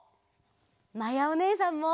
まやおねえさんも。